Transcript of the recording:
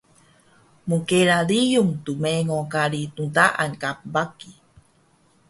Mkela riyung rmengo kari ndaan ka baki